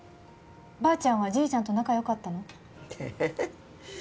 ばあちゃんはじいちゃんと仲よかったの？